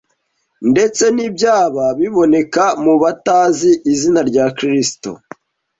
ndetse n’ibyaba biboneka mu batazi izina rya Kristo